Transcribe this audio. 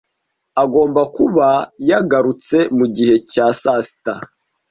Agomba kuba yagarutse mugihe cya sasita.